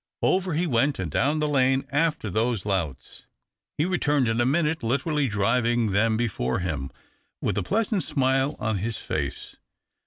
Over he went and down the lane after those louts. He returned in a minute, literally driving them before him, with a pleasant smile on his face.